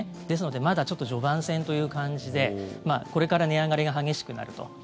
ですのでまだちょっと序盤戦という感じでこれから値上がりが激しくなると。